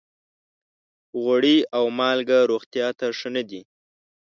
غوړي او مالګه روغتیا ته ښه نه دي.